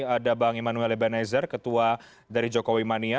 ada bang emmanuel ebenezer ketua dari jokowi mania